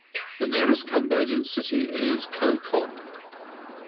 The nearest Cambodian city is Koh Kong.